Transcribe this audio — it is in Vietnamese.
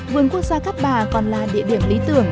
vườn quốc gia cát bà còn là địa điểm lý tưởng